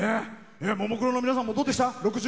ももクロの皆さんもどうでした？